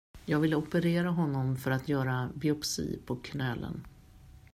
Jag vill operera honom för att göra biopsi på knölen.